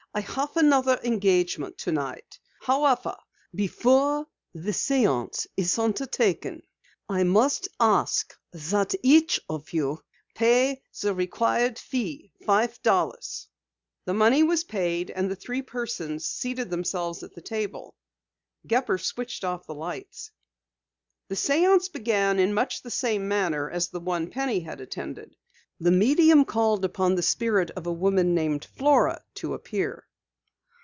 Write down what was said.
"I have another engagement tonight. However, before the séance is undertaken I must ask that each of you pay the required fee, five dollars." The money was paid, and the three persons seated themselves at the table. Gepper switched off the lights. The séance began in much the same manner as the one Penny had attended. The medium called upon the spirit of a woman named Flora to appear.